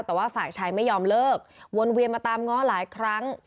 แต่ว่าฝ่ายชายไม่ยอมเลิกวนเวียนมาตามง้อหลายครั้ง